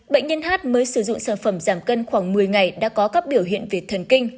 bệnh nhân hát mới sử dụng sản phẩm giảm cân khoảng một mươi ngày đã có các biểu hiện về thần kinh